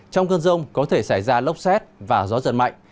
trong cơn rông có thể xảy ra lốc xét và gió giật mạnh